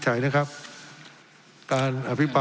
ทั้งสองกรณีผลเอกประยุทธ์